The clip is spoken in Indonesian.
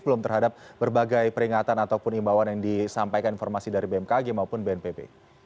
belum terhadap berbagai peringatan ataupun imbauan yang disampaikan informasi dari bmkg maupun bnpb